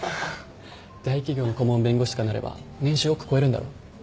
大企業の顧問弁護士とかになれば年収億超えるんだろ？